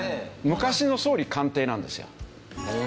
昔の総理官邸なんですよ。